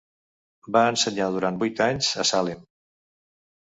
Va ensenyar durant vuit anys a Salem.